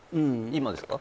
今ですか？